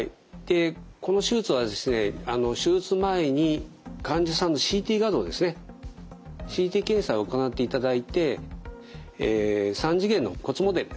この手術はですね手術前に患者さんのＣＴ画像ですねＣＴ検査を行っていただいて３次元の骨モデルですね